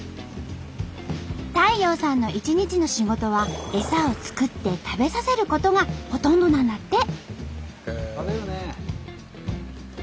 太陽さんの一日の仕事はエサを作って食べさせることがほとんどなんだって。